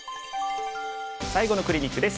最後のクリニックです。